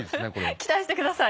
期待して下さい。